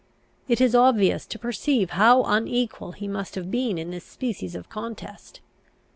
It is obvious to perceive how unequal he must have been in this species of contest.